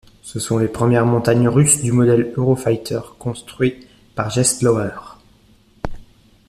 Ce sont les premières montagnes russes du modèle Euro-Fighter, construit par Gerstlauer.